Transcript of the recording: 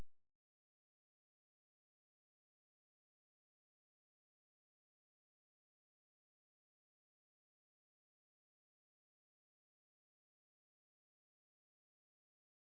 masih keluar sebentar ya pak